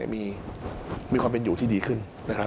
มีความเป็นอยู่ที่ดีขึ้น